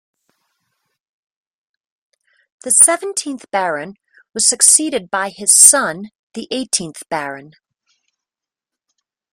The seventeenth Baron was succeeded by his son, the eighteenth Baron.